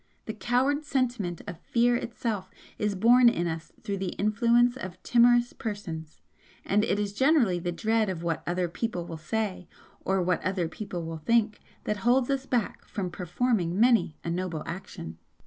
The coward sentiment of fear itself is born in us through the influence of timorous persons and it is generally the dread of what 'other people will say' or what 'other people will think' that holds us back from performing many a noble action.